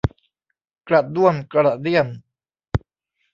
กระด้วมกระเดี้ยม